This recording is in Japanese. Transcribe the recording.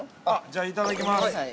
◆じゃあ、いただきます。